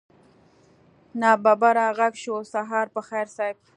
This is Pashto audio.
ناببره غږ شو سهار په خير صيب.